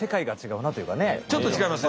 ちょっと違いますか？